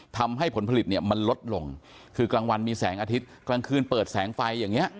ผลผลิตเนี่ยมันลดลงคือกลางวันมีแสงอาทิตย์กลางคืนเปิดแสงไฟอย่างนี้